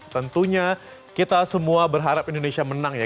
tentunya kita semua berharap indonesia menang ya